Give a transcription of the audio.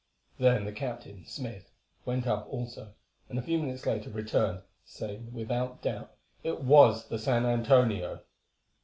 Then the captain, Smith, went up also, and a few minutes later returned saying that without doubt it was the San Antonio.